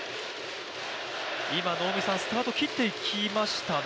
能見さん、スタート切っていきましたね。